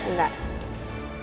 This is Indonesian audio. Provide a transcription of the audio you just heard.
satu dua satu satu